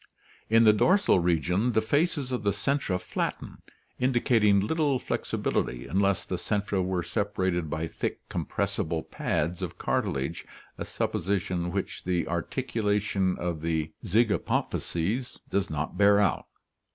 In the dorsal region the faces of the centra flatten, indicating little flexibility unless the centra were separated by thick compres sible pads of cartilage, a supposition which the articulation of the zygapophyses does not bear out.